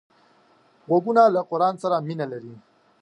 غوږونه له قرآن سره مینه لري